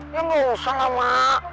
ya gak usah lah mak